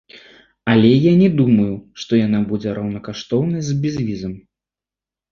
Але я не думаю, што яна будзе роўнакаштоўнай з безвізам.